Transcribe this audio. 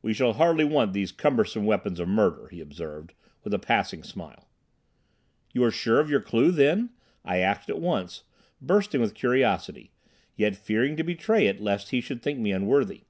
"We shall hardly want these cumbersome weapons of murder," he observed, with a passing smile. "You are sure of your clue, then?" I asked at once, bursting with curiosity, yet fearing to betray it lest he should think me unworthy.